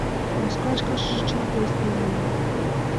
Москваш кайыше чыла поезд наҥгая...